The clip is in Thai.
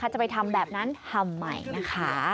จะไปทำแบบนั้นทำไมนะคะ